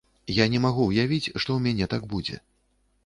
А не магу ўявіць, што ў мяне так будзе.